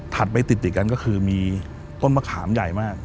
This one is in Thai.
ไปติดกันก็คือมีต้นมะขามใหญ่มาก